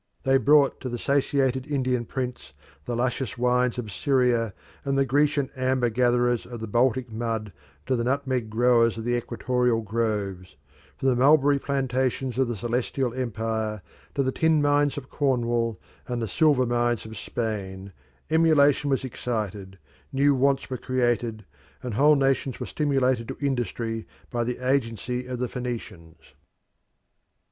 They brought to the satiated Indian prince the luscious wines of Syria and the Grecian amber gatherers of the Baltic mud to the nutmeg growers of the equatorial groves, from the mulberry plantations of the Celestial Empire to the tin mines of Cornwall and the silver mines of Spain, emulation was excited, new wants were created, and whole nations were stimulated to industry by the agency of the Phoenicians.